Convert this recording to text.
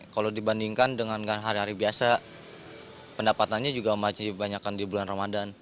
kalau dibandingkan dengan hari hari biasa pendapatannya juga masih dibanyakan di bulan ramadan